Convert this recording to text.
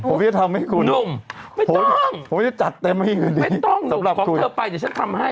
ผมจะทำให้คุณหนุ่มไม่ต้องผมจะจัดเต็มให้ไม่ต้องหนุ่มของเธอไปเดี๋ยวฉันทำให้